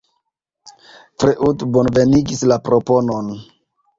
Freud bonvenigis la proponon.